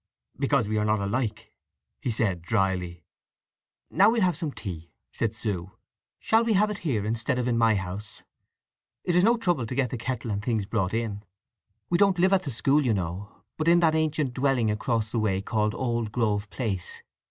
"Because we are not alike," he said drily. "Now we'll have some tea," said Sue. "Shall we have it here instead of in my house? It is no trouble to get the kettle and things brought in. We don't live at the school you know, but in that ancient dwelling across the way called Old Grove Place.